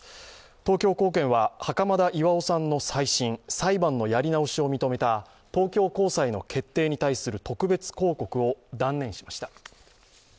東京高検は袴田巌さんの再審、裁判のやり直しを認めた東京高裁の決定に対する特別抗告を断念しました。